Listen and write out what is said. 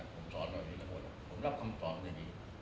ผมชอบหน่อยผมรับคำสอบอย่างนี้